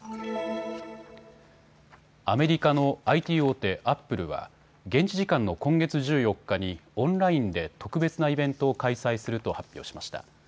アメリカのＩＴ大手、アップルは現地時間の今月１４日にオンラインで特別なイベントを開催すると発表しました。